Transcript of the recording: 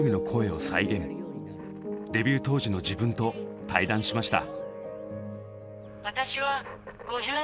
デビュー当時の自分と対談しました。